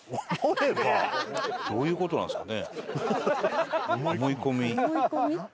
どういう事なんですかね？